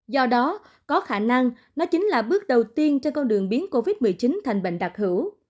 do đó có khả năng nó chính là bước đầu tiên cho con đường biến covid một mươi chín thành bệnh đặc hữu